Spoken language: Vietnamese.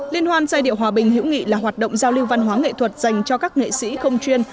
liên hoan giai điệu hòa bình hữu nghị là hoạt động giao lưu văn hóa nghệ thuật dành cho các nghệ sĩ không chuyên